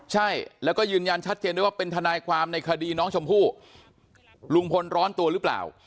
ใช่แล้วก็ยืนยันชัดเจนด้วยว่าเป็นทนายความในคดีน้องชมพู่ลุงพลร้อนตัวหรือเปล่า